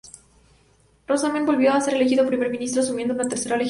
Rasmussen volvió a ser elegido Primer Ministro, asumiendo una tercera legislatura.